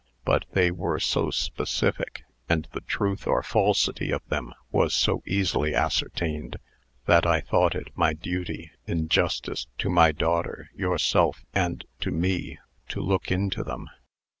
But they were so specific, and the truth or falsity of them was so easily ascertained, that I thought it my duty, in justice to my daughter, yourself, and to me, to look into them.